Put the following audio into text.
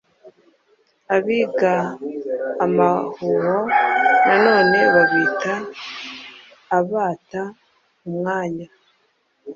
Abiga amahuho nanone babita "abata umwanya"